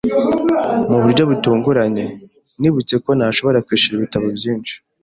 Mu buryo butunguranye, nibutse ko ntashobora kwishyura ibitabo byinshi.